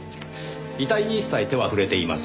遺体に一切手は触れていません。